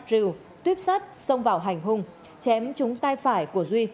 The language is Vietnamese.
rìu tuyếp sát xông vào hành hung chém trúng tay phải của duy